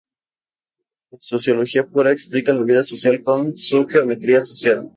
La sociología pura explica la vida social con su geometría social.